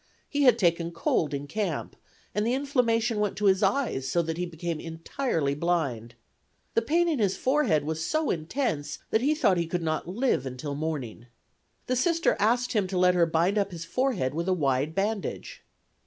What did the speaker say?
He had taken cold in camp and the inflammation went to his eyes, so that he became entirely blind. The pain in his forehead was so intense that he thought he could not live until morning. The Sister asked him to let her bind up his forehead with a wide bandage.